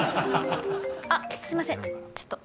あっすいませんちょっと。